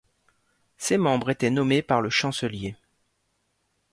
Ses membres étaient nommés par le Chancelier.